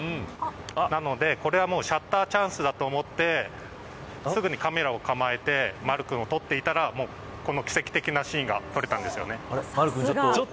なので、これはシャッターチャンスだと思ってすぐにカメラを構えてまる君を撮っていたらこの奇跡的なシーンがちょっと